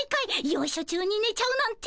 よいしょ中に寝ちゃうなんて。